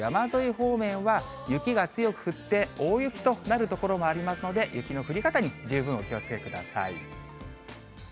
方面は雪が強く降って、大雪となる所もありますので、雪の降り方に十分お気をつけください。